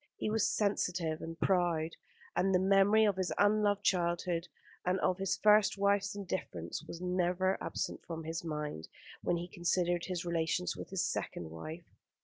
He was sensitive and proud, and the memory of his unloved childhood and of his first wife's indifference was never absent from his mind when he considered his relations with his second wife.